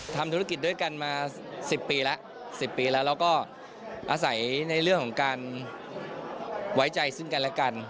ทำธุรกิจด้วยกันมา๑๐ปีแล้ว๑๐ปีแล้วแล้วก็อาศัยในเรื่องของการไว้ใจซึ่งกันและกัน